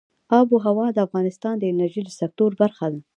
آب وهوا د افغانستان د انرژۍ د سکتور برخه ده.